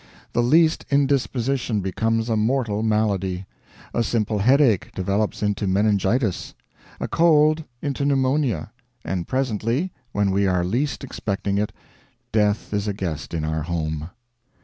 The least indisposition becomes a mortal malady; a simple headache develops into meningitis; a cold into pneumonia, and presently, when we are least expecting it, death is a guest in our home."